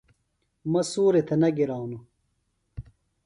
مہ سوریۡ تھےۡ نہ گرانوۡ۔